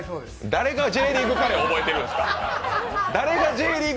誰がＪリーグカレー覚えてるんですか？